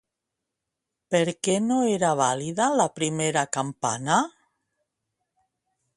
Per què no era vàlida la primera campana?